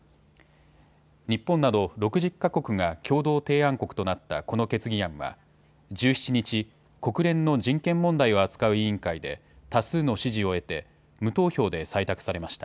日本など６０か国が共同提案国となったこの決議案は１７日、国連の人権問題を扱う委員会で多数の支持を得て無投票で採択されました。